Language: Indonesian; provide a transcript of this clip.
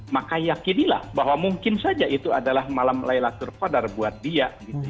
maka yakinilah bahwa mungkin saja itu adalah malam laila tul kandar buat dia